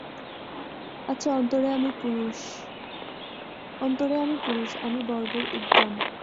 অন্তরে আমি পুরুষ, আমি বর্বর উদ্দাম।